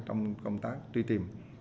trong công tác truy tìm